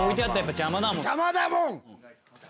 邪魔だもん！